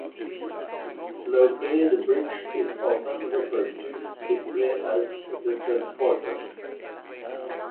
Locally the bridge is often referred to simply as 'the Transporter'.